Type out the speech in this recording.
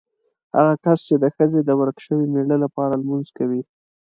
هغه کس چې د ښځې د ورک شوي مېړه لپاره لمونځ کوي.